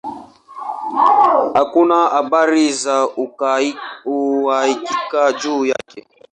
Hakuna habari za uhakika juu yake.